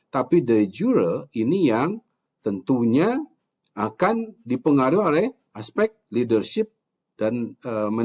tapi the juror ini yang tentunya akan dipengaruhi oleh aspek leadership dan management